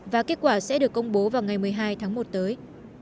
và kết quả sẽ được công bố vào ngày một mươi hai tháng một tới